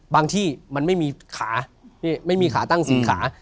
ที่มันไม่มีขาไม่มีขาตั้ง๔ขา